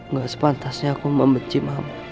gak sepantasnya aku membenci mama